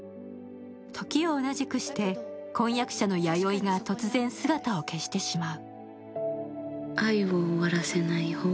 時を同じくして婚約者の弥生が突然姿を消してしまう。